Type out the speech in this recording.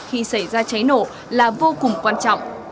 khi xảy ra cháy nổ là vô cùng quan trọng